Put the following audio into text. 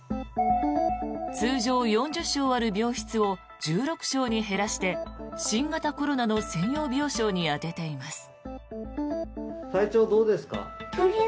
通常、４０床ある病床を１６床に減らして新型コロナの専用病床に充てています。